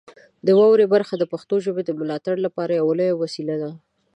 د واورئ برخه د پښتو ژبې د ملاتړ لپاره یوه لویه وسیله ده.